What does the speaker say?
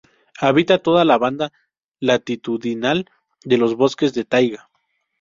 Habita toda la banda latitudinal de los bosques de taiga.